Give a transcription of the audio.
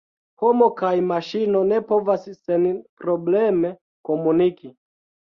Homo kaj maŝino ne povas senprobleme komuniki.